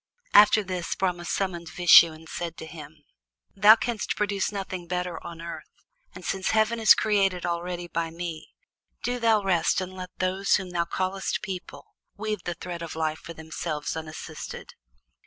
After this Brahma summoned Vishnu and said to him: "Thou canst produce nothing better on earth, and since heaven is created already by me, do thou rest and let those whom thou callest people weave the thread of life for themselves unassisted."